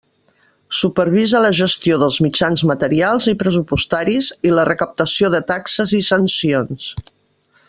Supervisa la gestió dels mitjans materials i pressupostaris i la recaptació de taxes i sancions.